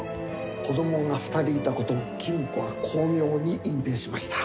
子どもが２人いたことも公子は巧妙に隠蔽しました。